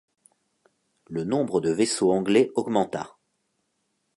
Le nombre de vaisseaux anglais augmenta.